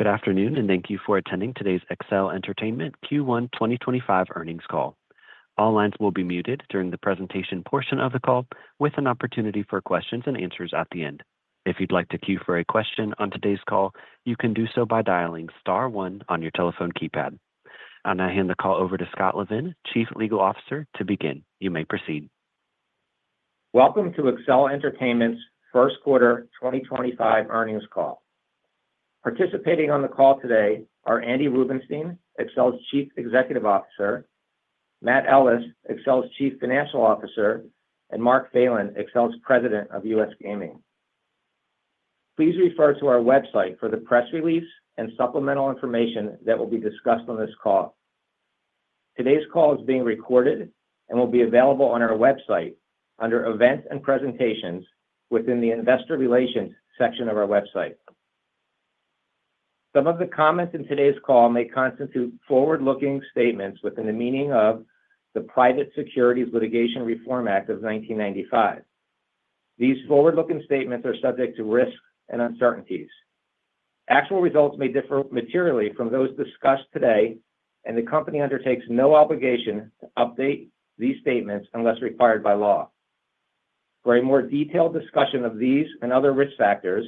Good afternoon, and thank you for attending today's Accel Entertainment Q1 2025 earnings call. All lines will be muted during the presentation portion of the call, with an opportunity for questions and answers at the end. If you'd like to queue for a question on today's call, you can do so by dialing star one on your telephone keypad. I'm going to hand the call over to Scott Levin, Chief Legal Officer, to begin. You may proceed. Welcome to Accel Entertainment's first quarter 2025 earnings call. Participating on the call today are Andy Rubenstein, Accel's Chief Executive Officer; Matt Ellis, Accel's Chief Financial Officer; and Mark Phelan, Accel's President of U.S. Gaming. Please refer to our website for the press release and supplemental information that will be discussed on this call. Today's call is being recorded and will be available on our website under Events and Presentations within the Investor Relations section of our website. Some of the comments in today's call may constitute forward-looking statements within the meaning of the Private Securities Litigation Reform Act of 1995. These forward-looking statements are subject to risks and uncertainties. Actual results may differ materially from those discussed today, and the company undertakes no obligation to update these statements unless required by law. For a more detailed discussion of these and other risk factors,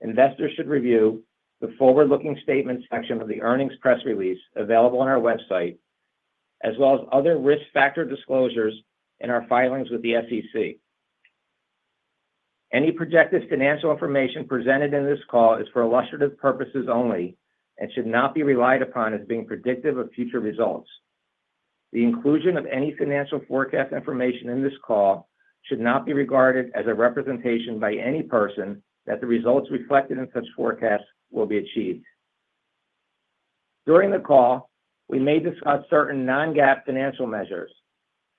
investors should review the forward-looking statements section of the earnings press release available on our website, as well as other risk factor disclosures in our filings with the SEC. Any projected financial information presented in this call is for illustrative purposes only and should not be relied upon as being predictive of future results. The inclusion of any financial forecast information in this call should not be regarded as a representation by any person that the results reflected in such forecasts will be achieved. During the call, we may discuss certain non-GAAP financial measures.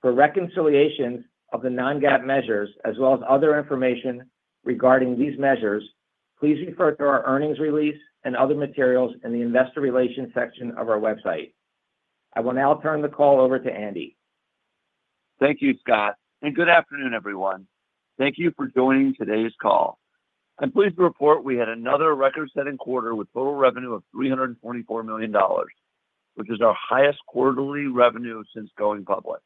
For reconciliations of the non-GAAP measures, as well as other information regarding these measures, please refer to our earnings release and other materials in the Investor Relations section of our website. I will now turn the call over to Andy. Thank you, Scott, and good afternoon, everyone. Thank you for joining today's call. I'm pleased to report we had another record-setting quarter with total revenue of $324 million, which is our highest quarterly revenue since going public.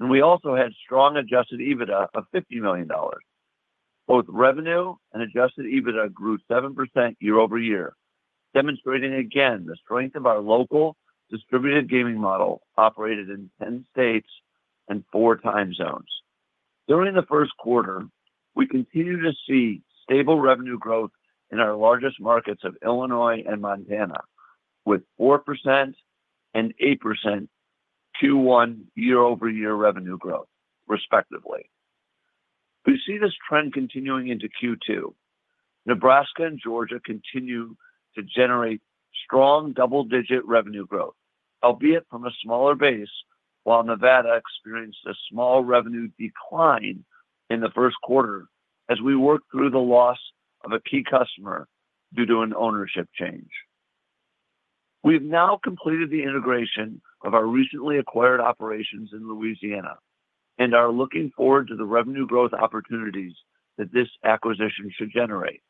We also had strong adjusted EBITDA of $50 million. Both revenue and adjusted EBITDA grew 7% year-over- year, demonstrating again the strength of our local distributed gaming model operated in 10 states and four time zones. During the first quarter, we continue to see stable revenue growth in our largest markets of Illinois and Montana, with 4% and 8% Q1 year-over-year revenue growth, respectively. We see this trend continuing into Q2. Nebraska and Georgia continue to generate strong double-digit revenue growth, albeit from a smaller base, while Nevada experienced a small revenue decline in the first quarter as we worked through the loss of a key customer due to an ownership change. We have now completed the integration of our recently acquired operations in Louisiana and are looking forward to the revenue growth opportunities that this acquisition should generate.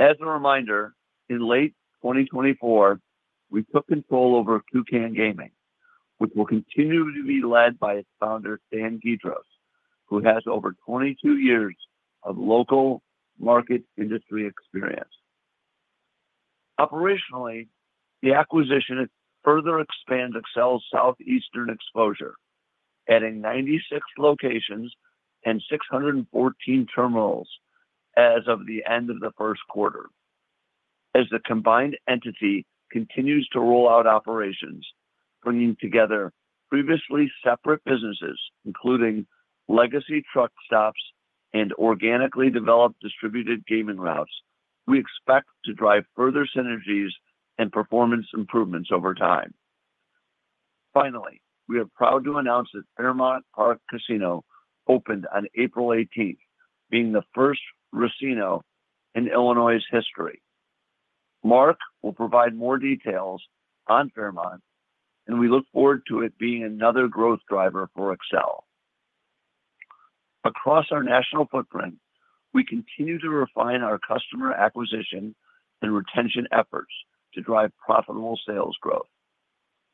As a reminder, in late 2024, we took control over Toucan Gaming, which will continue to be led by its founder, Stan Guidroz, who has over 22 years of local market industry experience. Operationally, the acquisition further expands Accel's southeastern exposure, adding 96 locations and 614 terminals as of the end of the first quarter. As the combined entity continues to roll out operations, bringing together previously separate businesses, including legacy truck stops and organically developed distributed gaming routes, we expect to drive further synergies and performance improvements over time. Finally, we are proud to announce that Fairmount Park Casino opened on April 18th, being the first casino in Illinois' history. Mark will provide more details on Fairmount, and we look forward to it being another growth driver for Accel. Across our national footprint, we continue to refine our customer acquisition and retention efforts to drive profitable sales growth.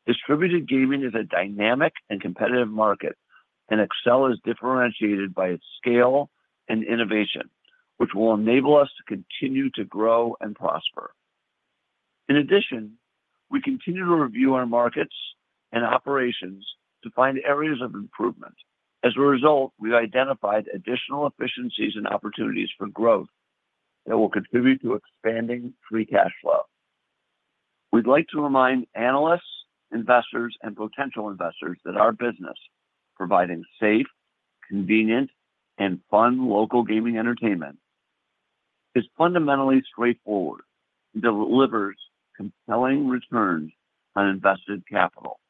Distributed gaming is a dynamic and competitive market, and Accel is differentiated by its scale and innovation, which will enable us to continue to grow and prosper. In addition, we continue to review our markets and operations to find areas of improvement. As a result, we've identified additional efficiencies and opportunities for growth that will contribute to expanding free cash flow. We'd like to remind analysts, investors, and potential investors that our business is providing safe, convenient, and fun local gaming entertainment. It's fundamentally straightforward and delivers compelling returns on invested capital.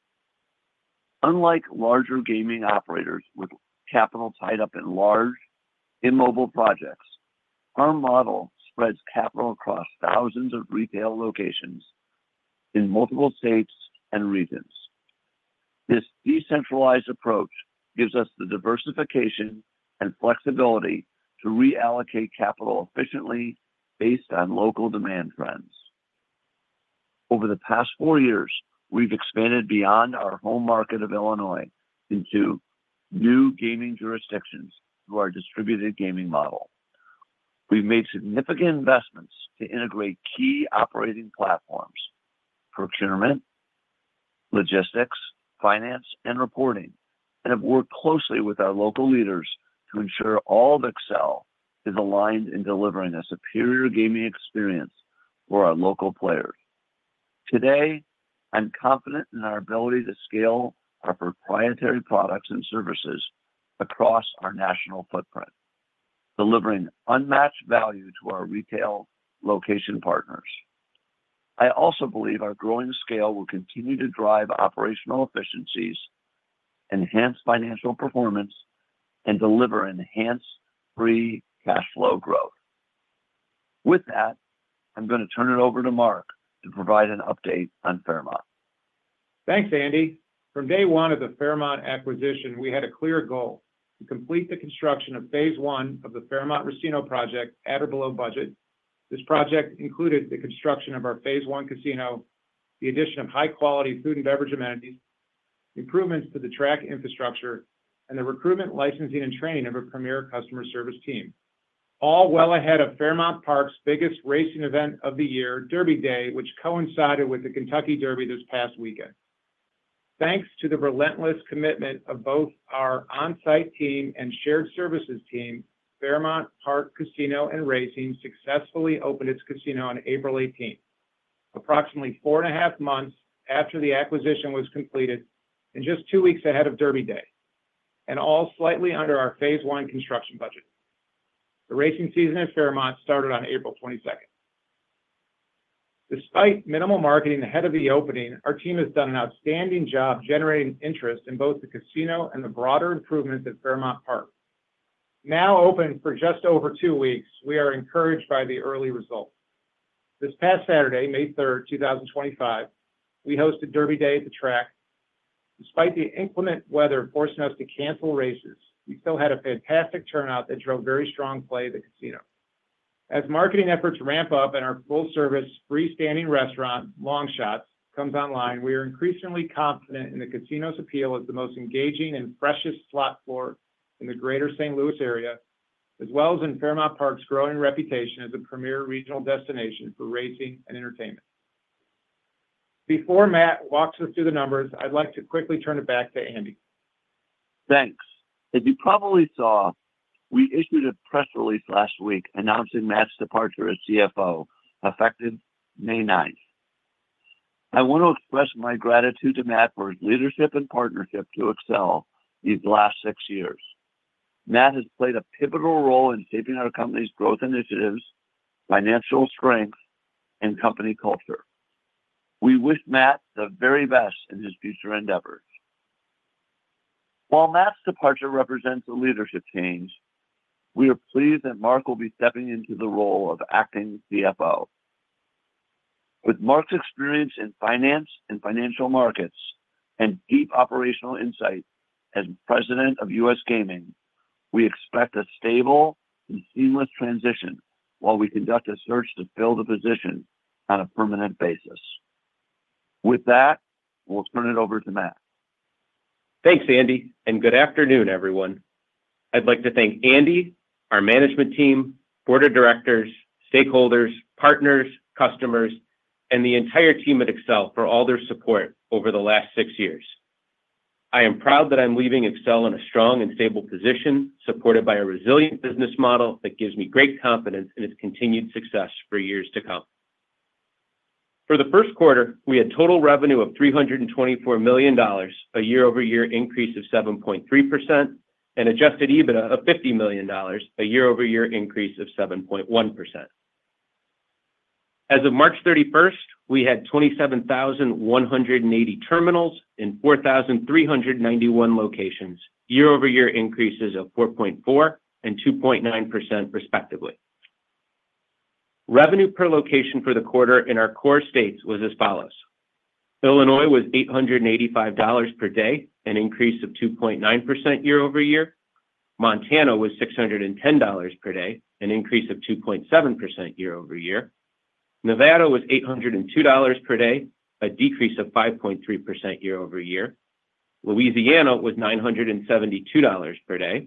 Unlike larger gaming operators with capital tied up in large, immobile projects, our model spreads capital across thousands of retail locations in multiple states and regions. This decentralized approach gives us the diversification and flexibility to reallocate capital efficiently based on local demand trends. Over the past four years, we've expanded beyond our home market of Illinois into new gaming jurisdictions through our distributed gaming model. We've made significant investments to integrate key operating platforms for procurement, logistics, finance, and reporting, and have worked closely with our local leaders to ensure all of Accel is aligned in delivering a superior gaming experience for our local players. Today, I'm confident in our ability to scale our proprietary products and services across our national footprint, delivering unmatched value to our retail location partners. I also believe our growing scale will continue to drive operational efficiencies, enhance financial performance, and deliver enhanced free cash flow growth. With that, I'm going to turn it over to Mark to provide an update on Fairmount. Thanks, Andy. From day one of the Fairmount acquisition, we had a clear goal to complete the construction of phase I of the Fairmount Casino project at or below budget. This project included the construction of our phase I casino, the addition of high-quality food and beverage amenities, improvements to the track infrastructure, and the recruitment, licensing, and training of a premier customer service team, all well ahead of Fairmount Park's biggest racing event of the year, Derby Day, which coincided with the Kentucky Derby this past weekend. Thanks to the relentless commitment of both our on-site team and shared services team, Fairmount Park Casino and Racing successfully opened its casino on April 18th, approximately four and a half months after the acquisition was completed and just two weeks ahead of Derby Day, and all slightly under our phase I construction budget. The racing season at Fairmount started on April 22nd. Despite minimal marketing ahead of the opening, our team has done an outstanding job generating interest in both the casino and the broader improvements at Fairmount Park. Now open for just over two weeks, we are encouraged by the early results. This past Saturday, May 3rd, 2025, we hosted Derby Day at the track. Despite the inclement weather forcing us to cancel races, we still had a fantastic turnout that drove very strong play at the casino. As marketing efforts ramp up and our full-service freestanding restaurant, Long Shots, comes online, we are increasingly confident in the casino's appeal as the most engaging and freshest slot floor in the greater St. Louis area, as well as in Fairmount Park's growing reputation as a premier regional destination for racing and entertainment. Before Matt walks us through the numbers, I'd like to quickly turn it back to Andy. Thanks. As you probably saw, we issued a press release last week announcing Matt's departure as CFO, effective May 9th. I want to express my gratitude to Matt for his leadership and partnership to Accel these last six years. Matt has played a pivotal role in shaping our company's growth initiatives, financial strength, and company culture. We wish Matt the very best in his future endeavors. While Matt's departure represents a leadership change, we are pleased that Mark will be stepping into the role of acting CFO. With Mark's experience in finance and financial markets and deep operational insight as President of U.S. Gaming, we expect a stable and seamless transition while we conduct a search to fill the position on a permanent basis. With that, we'll turn it over to Matt. Thanks, Andy, and good afternoon, everyone. I'd like to thank Andy, our management team, board of directors, stakeholders, partners, customers, and the entire team at Accel for all their support over the last six years. I am proud that I'm leaving Accel in a strong and stable position, supported by a resilient business model that gives me great confidence in its continued success for years to come. For the first quarter, we had total revenue of $324 million, a year-over-year increase of 7.3%, and adjusted EBITDA of $50 million, a year-over-year increase of 7.1%. As of March 31, we had 27,180 terminals in 4,391 locations, year-over-year increases of 4.4% and 2.9%, respectively. Revenue per location for the quarter in our core states was as follows: Illinois was $885 per day, an increase of 2.9% year-over-year. Montana was $610 per day, an increase of 2.7% year-over-year. Nevada was $802 per day, a decrease of 5.3% year-over-year. Louisiana was $972 per day.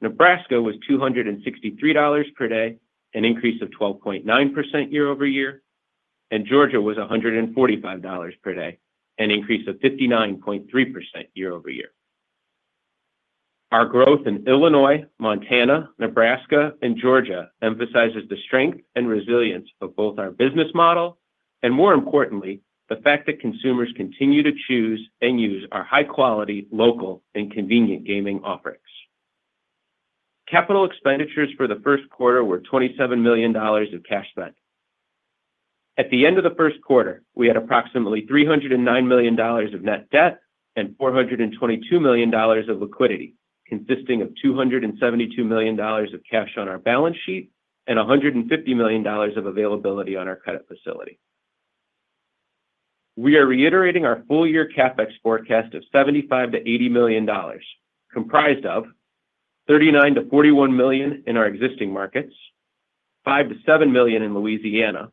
Nebraska was $263 per day, an increase of 12.9% year-over-year. Georgia was $145 per day, an increase of 59.3% year-over-year. Our growth in Illinois, Montana, Nebraska, and Georgia emphasizes the strength and resilience of both our business model and, more importantly, the fact that consumers continue to choose and use our high-quality, local, and convenient gaming offerings. Capital expenditures for the first quarter were $27 million of cash spent. At the end of the first quarter, we had approximately $309 million of net debt and $422 million of liquidity, consisting of $272 million of cash on our balance sheet and $150 million of availability on our credit facility. We are reiterating our full-year CapEx forecast of $75 million-$80 million, comprised of $39 million-$41 million in our existing markets, $5 million-$7 million in Louisiana,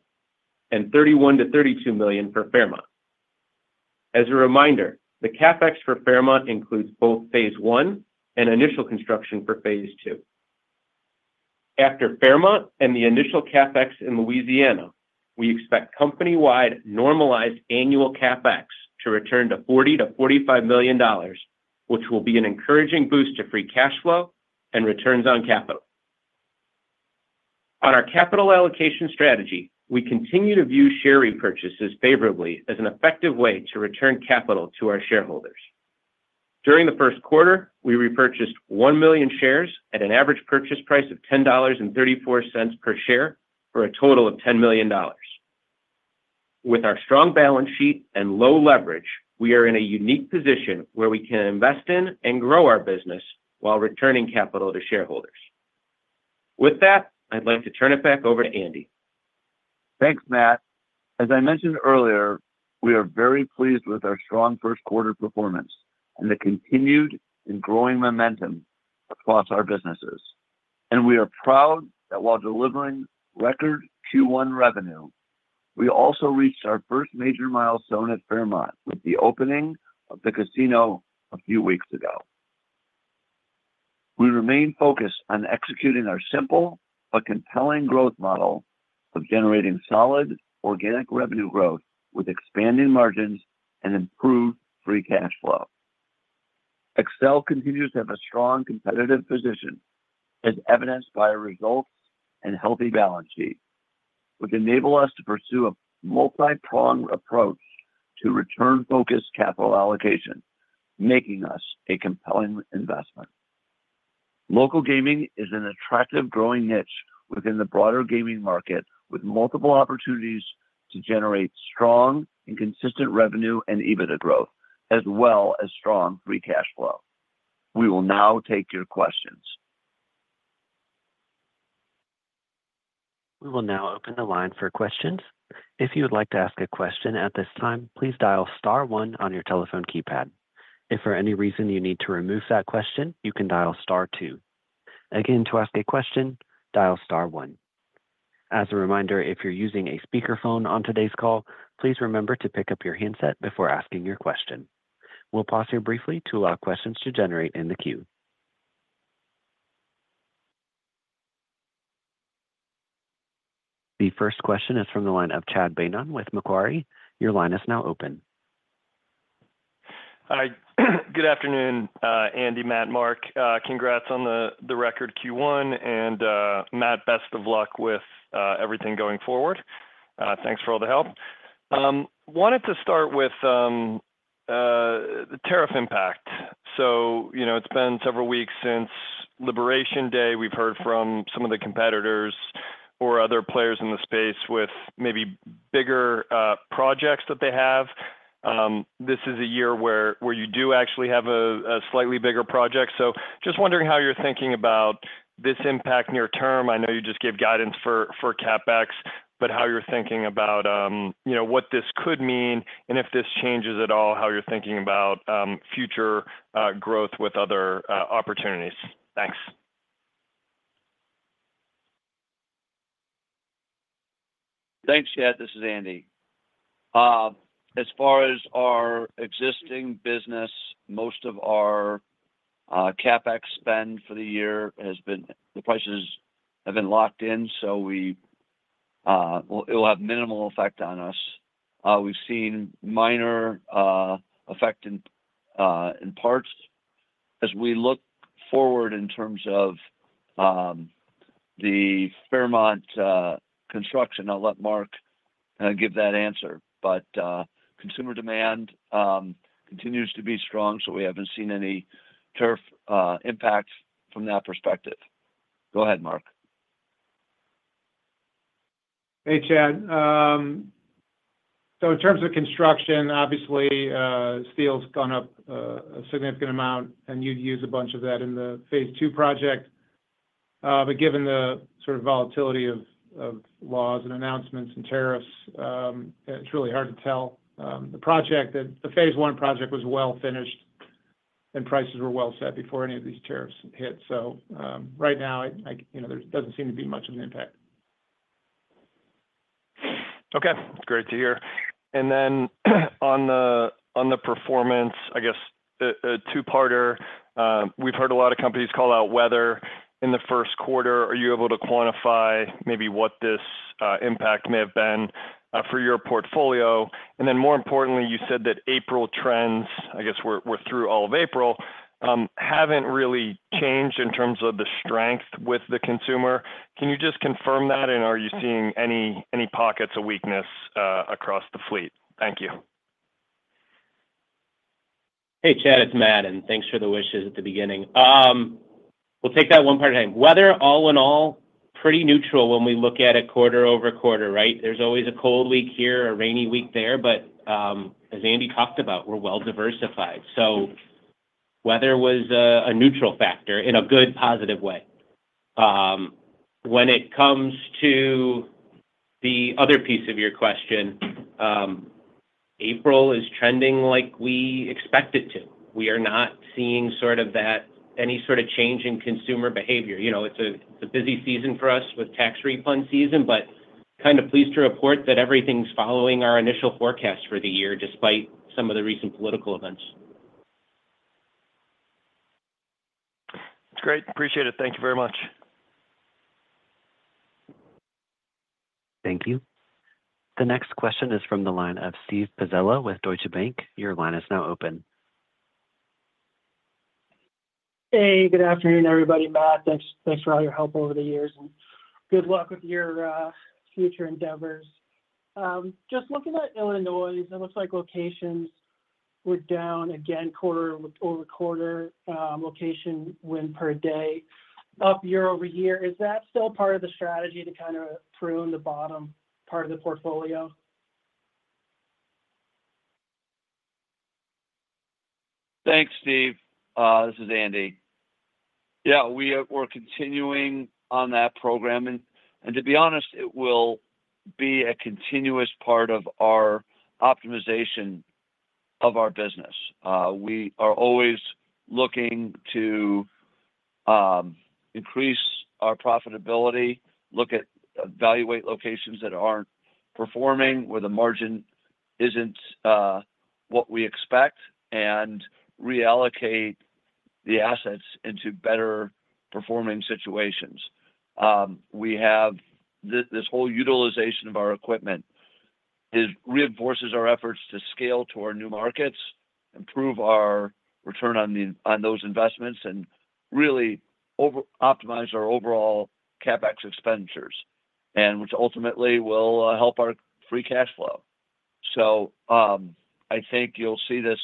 and $31 million-$32 million for Fairmount. As a reminder, the CapEx for Fairmount includes both phase I and initial construction for phase II. After Fairmount and the initial CapEx in Louisiana, we expect company-wide normalized annual CapEx to return to $40 milllion-$45 million, which will be an encouraging boost to free cash flow and returns on capital. On our capital allocation strategy, we continue to view share repurchases favorably as an effective way to return capital to our shareholders. During the first quarter, we repurchased 1 million shares at an average purchase price of $10.34 per share for a total of $10 million. With our strong balance sheet and low leverage, we are in a unique position where we can invest in and grow our business while returning capital to shareholders. With that, I'd like to turn it back over to Andy. Thanks, Matt. As I mentioned earlier, we are very pleased with our strong first-quarter performance and the continued and growing momentum across our businesses. We are proud that while delivering record Q1 revenue, we also reached our first major milestone at Fairmount with the opening of the casino a few weeks ago. We remain focused on executing our simple but compelling growth model of generating solid organic revenue growth with expanding margins and improved free cash flow. Accel continues to have a strong competitive position, as evidenced by our results and healthy balance sheet, which enable us to pursue a multi-pronged approach to return-focused capital allocation, making us a compelling investment. Local gaming is an attractive growing niche within the broader gaming market, with multiple opportunities to generate strong and consistent revenue and EBITDA growth, as well as strong free cash flow. We will now take your questions. We will now open the line for questions. If you would like to ask a question at this time, please dial star one on your telephone keypad. If for any reason you need to remove that question, you can dial star two. Again, to ask a question, dial star one. As a reminder, if you're using a speakerphone on today's call, please remember to pick up your handset before asking your question. We'll pause here briefly to allow questions to generate in the queue. The first question is from the line of Chad Beynon with Macquarie. Your line is now open. Good afternoon, Andy, Matt, Mark. Congrats on the record Q1, and Matt, best of luck with everything going forward. Thanks for all the help. Wanted to start with the tariff impact. It's been several weeks since Liberation Day. We've heard from some of the competitors or other players in the space with maybe bigger projects that they have. This is a year where you do actually have a slightly bigger project. Just wondering how you're thinking about this impact near term. I know you just gave guidance for CapEx, but how you're thinking about what this could mean, and if this changes at all, how you're thinking about future growth with other opportunities. Thanks. Thanks, Chad. This is Andy. As far as our existing business, most of our CapEx spend for the year has been the prices have been locked in, so it will have minimal effect on us. We've seen minor effect in parts. As we look forward in terms of the Fairmount construction, I'll let Mark give that answer. Consumer demand continues to be strong, so we haven't seen any tariff impact from that perspective. Go ahead, Mark. Hey, Chad. In terms of construction, obviously, steel's gone up a significant amount, and you'd use a bunch of that in the phase II project. Given the sort of volatility of laws and announcements and tariffs, it's really hard to tell. The phase I project was well finished, and prices were well set before any of these tariffs hit. Right now, there doesn't seem to be much of an impact. Okay. Great to hear. On the performance, I guess, a two-parter. We've heard a lot of companies call out weather in the first quarter. Are you able to quantify maybe what this impact may have been for your portfolio? More importantly, you said that April trends, I guess we're through all of April, haven't really changed in terms of the strength with the consumer. Can you just confirm that, and are you seeing any pockets of weakness across the fleet? Thank you. Hey, Chad. It's Matt, and thanks for the wishes at the beginning. We'll take that one part at a time. Weather, all in all, pretty neutral when we look at it quarter over quarter, right? There's always a cold week here, a rainy week there, but as Andy talked about, we're well diversified. Weather was a neutral factor in a good, positive way. When it comes to the other piece of your question, April is trending like we expect it to. We are not seeing sort of any sort of change in consumer behavior. It's a busy season for us with tax refund season, but kind of pleased to report that everything's following our initial forecast for the year despite some of the recent political events. That's great. Appreciate it. Thank you very much. Thank you. The next question is from the line of Steve Pizzella with Deutsche Bank. Your line is now open. Hey, good afternoon, everybody. Matt, thanks for all your help over the years, and good luck with your future endeavors. Just looking at Illinois, it looks like locations were down again, quarter over quarter, location win per day, up year over year. Is that still part of the strategy to kind of prune the bottom part of the portfolio? Thanks, Steve. This is Andy. Yeah, we're continuing on that program. To be honest, it will be a continuous part of our optimization of our business. We are always looking to increase our profitability, evaluate locations that aren't performing where the margin isn't what we expect, and reallocate the assets into better-performing situations. This whole utilization of our equipment reinforces our efforts to scale to our new markets, improve our return on those investments, and really optimize our overall CapEx expenditures, which ultimately will help our free cash flow. I think you'll see this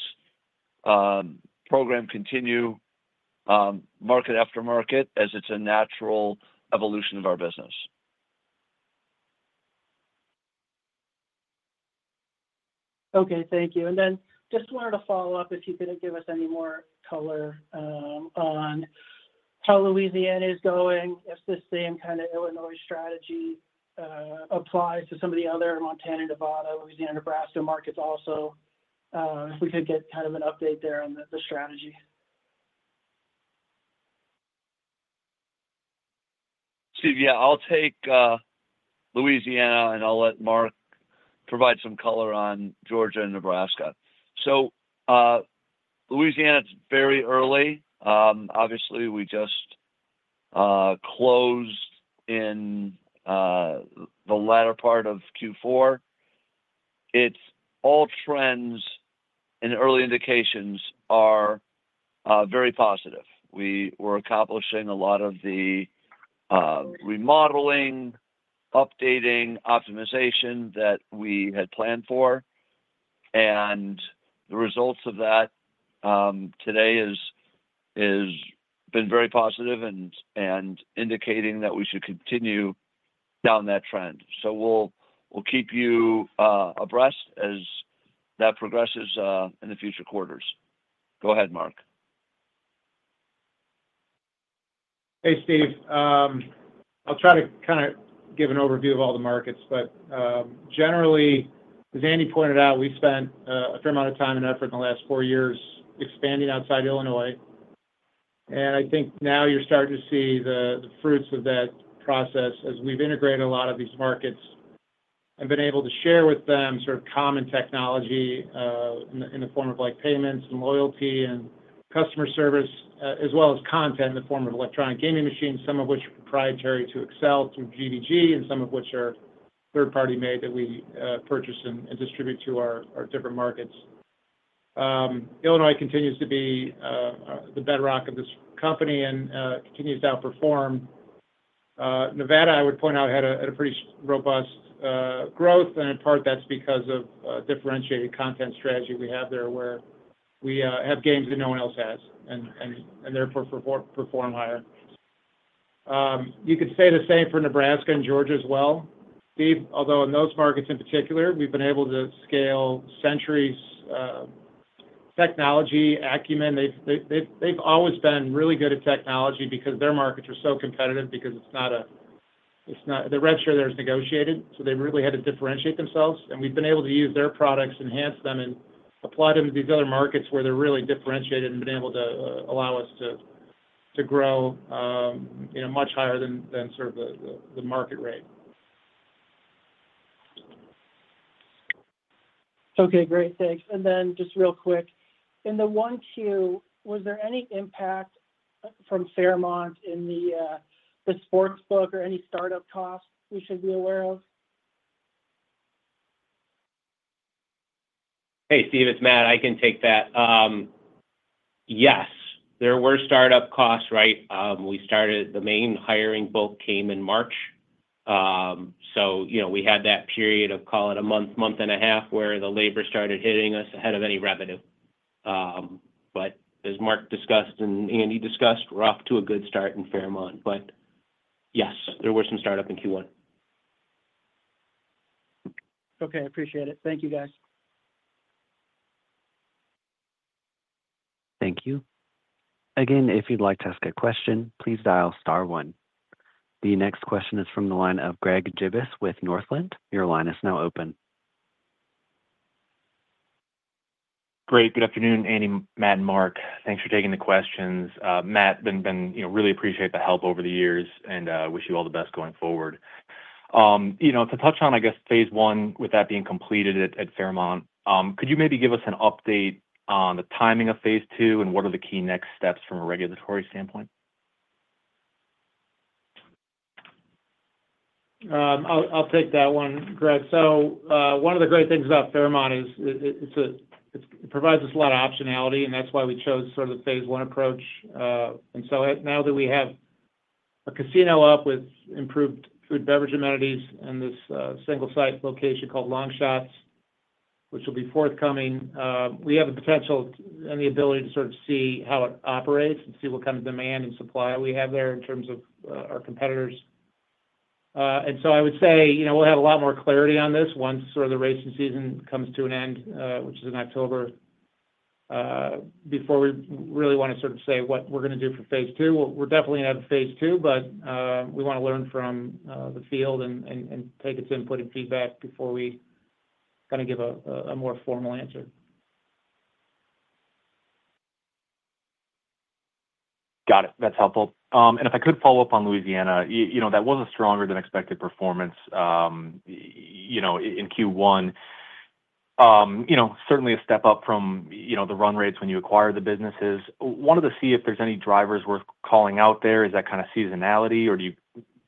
program continue market after market as it's a natural evolution of our business. Okay. Thank you. I just wanted to follow up if you could give us any more color on how Louisiana is going, if the same kind of Illinois strategy applies to some of the other Montana, Nevada, Louisiana, Nebraska markets also, if we could get kind of an update there on the strategy. Steve, yeah, I'll take Louisiana, and I'll let Mark provide some color on Georgia and Nebraska. Louisiana's very early. Obviously, we just closed in the latter part of Q4. All trends and early indications are very positive. We were accomplishing a lot of the remodeling, updating, optimization that we had planned for. The results of that today have been very positive and indicating that we should continue down that trend. We'll keep you abreast as that progresses in the future quarters. Go ahead, Mark. Hey, Steve. I'll try to kind of give an overview of all the markets. Generally, as Andy pointed out, we spent a fair amount of time and effort in the last four years expanding outside Illinois. I think now you're starting to see the fruits of that process as we've integrated a lot of these markets and been able to share with them sort of common technology in the form of payments and loyalty and customer service, as well as content in the form of electronic gaming machines, some of which are proprietary to Accel through GDG, and some of which are third-party made that we purchase and distribute to our different markets. Illinois continues to be the bedrock of this company and continues to outperform. Nevada, I would point out, had a pretty robust growth, and in part, that's because of a differentiated content strategy we have there where we have games that no one else has and therefore perform higher. You could say the same for Nebraska and Georgia as well. Steve, although in those markets in particular, we've been able to scale Century's technology, Acumen. They've always been really good at technology because their markets are so competitive because it's not a they're registered as negotiated, so they really had to differentiate themselves. We've been able to use their products, enhance them, and apply them to these other markets where they're really differentiated and been able to allow us to grow much higher than sort of the market rate. Okay. Great. Thanks. Just real quick, in the one Q, was there any impact from Fairmount in the sports book or any startup costs we should be aware of? Hey, Steve. It's Matt. I can take that. Yes. There were startup costs, right? The main hiring bulk came in March. We had that period of, call it a month, month and a half, where the labor started hitting us ahead of any revenue. As Mark discussed and Andy discussed, we're off to a good start in Fairmount. Yes, there were some startups in Q1. Okay. Appreciate it. Thank you, guys. Thank you. Again, if you'd like to ask a question, please dial star one. The next question is from the line of Greg Gibas with Northland. Your line is now open. Great. Good afternoon, Andy, Matt, and Mark. Thanks for taking the questions. Matt, really appreciate the help over the years and wish you all the best going forward. To touch on, I guess, phase I with that being completed at Fairmount, could you maybe give us an update on the timing of phase II and what are the key next steps from a regulatory standpoint? I'll take that one, Greg. One of the great things about Fairmount is it provides us a lot of optionality, and that's why we chose sort of the phase I approach. Now that we have a casino up with improved food and beverage amenities and this single-site location called Long Shots, which will be forthcoming, we have the potential and the ability to sort of see how it operates and see what kind of demand and supply we have there in terms of our competitors. I would say we'll have a lot more clarity on this once sort of the racing season comes to an end, which is in October, before we really want to sort of say what we're going to do for phase II. We're definitely going to have a phase two, but we want to learn from the field and take its input and feedback before we kind of give a more formal answer. Got it. That's helpful. If I could follow up on Louisiana, that was a stronger-than-expected performance in Q1, certainly a step up from the run rates when you acquired the businesses. Wanted to see if there's any drivers worth calling out there. Is that kind of seasonality, or do you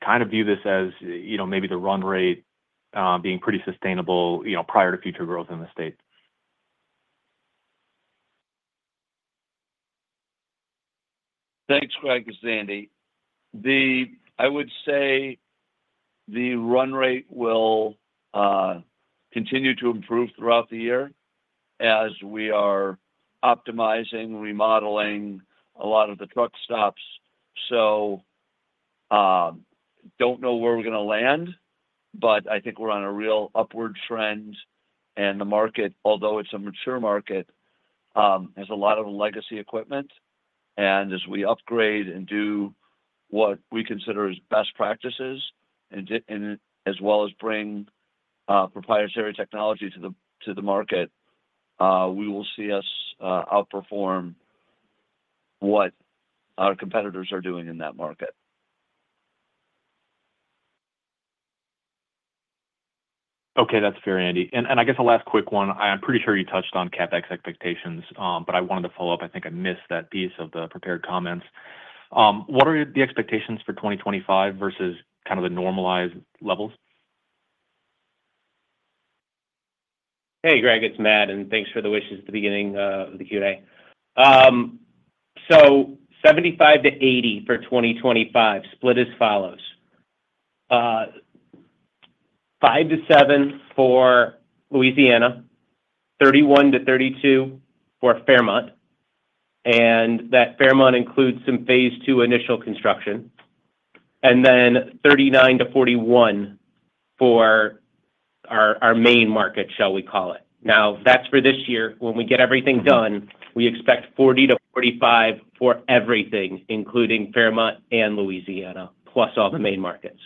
kind of view this as maybe the run rate being pretty sustainable prior to future growth in the state? Thanks, Greg. This is Andy. I would say the run rate will continue to improve throughout the year as we are optimizing, remodeling a lot of the truck stops. I do not know where we are going to land, but I think we are on a real upward trend. The market, although it is a mature market, has a lot of legacy equipment. As we upgrade and do what we consider as best practices, as well as bring proprietary technology to the market, we will see us outperform what our competitors are doing in that market. Okay. That's fair, Andy. I guess a last quick one. I'm pretty sure you touched on CapEx expectations, but I wanted to follow up. I think I missed that piece of the prepared comments. What are the expectations for 2025 versus kind of the normalized levels? Hey, Greg. It's Matt, and thanks for the wishes at the beginning of the Q&A. $75 million-$80 million for 2025, split as follows. $5 million-$7 million for Louisiana, $31 million-$32 million for Fairmount. That Fairmount includes some phase two initial construction. $39 million-$41 million for our main market, shall we call it. That is for this year. When we get everything done, we expect $40 million-$45 million for everything, including Fairmount and Louisiana, plus all the main markets.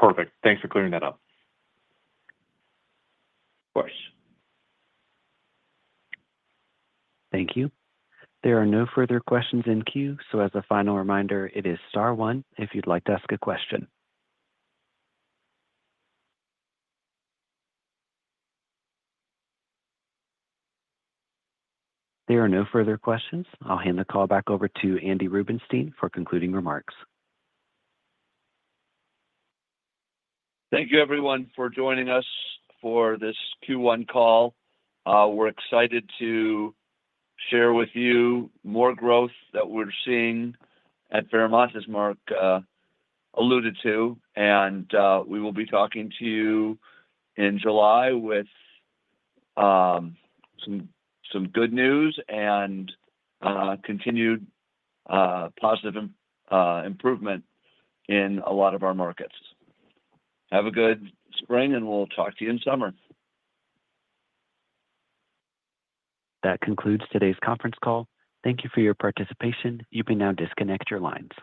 Perfect. Thanks for clearing that up. Of course. Thank you. There are no further questions in queue. As a final reminder, it is star one if you'd like to ask a question. There are no further questions. I'll hand the call back over to Andy Rubenstein for concluding remarks. Thank you, everyone, for joining us for this Q1 call. We're excited to share with you more growth that we're seeing at Fairmount, as Mark alluded to. We will be talking to you in July with some good news and continued positive improvement in a lot of our markets. Have a good spring, and we'll talk to you in summer. That concludes today's conference call. Thank you for your participation. You may now disconnect your lines.